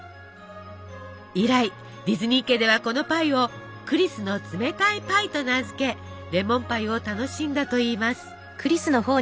以来ディズニー家ではこのパイを「クリスの冷たいパイ」と名付けレモンパイを楽しんだといいます。